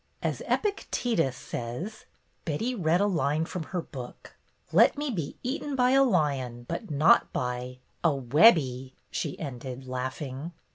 "As Epictetus says, —" Betty read a line from her book, "' Let me be eaten by a lion, but not by' — a Webbie !" she ended, laugh ing.